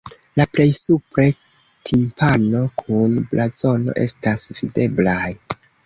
La plej supre timpano kun blazono estas videblaj.